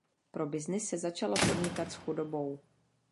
Pro byznys se začalo podnikat s chudobou.